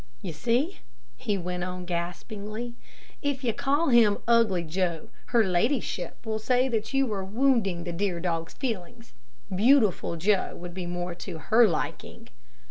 "You see," he went on, gaspingly, "if you call him 'Ugly Joe,' her ladyship will say that you are wounding the dear dog's feelings. 'Beautiful Joe,' would be more to her liking."